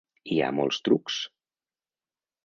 Hi ha molts trucs.